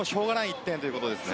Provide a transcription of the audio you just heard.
１点ということですね。